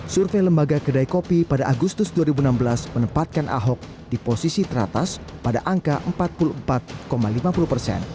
survei lembaga kedai kopi pada agustus dua ribu enam belas menempatkan ahok di posisi teratas pada angka empat puluh empat lima puluh persen